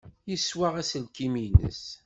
Yeswaɣ aselkim-nnes.